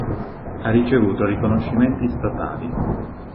Ha ricevuto riconoscimenti statali.